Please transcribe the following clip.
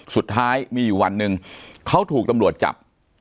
สุดท้ายมีอยู่วันหนึ่งเขาถูกตำรวจจับ